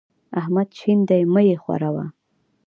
احمد شين دی؛ مه يې ښوروه.